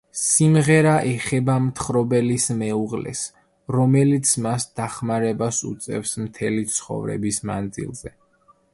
სიმღერა ეხება მთხრობელის მეუღლეს, რომელიც მას დახმარებას უწევს მთელი ცხოვრების მანძილზე.